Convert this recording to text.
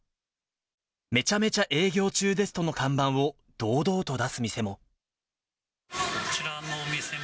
めちゃめちゃ営業中ですとの看板を堂々と出す店も。